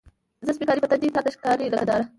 زما سپین کالي په تن دي، تا ته ښکاري لکه داره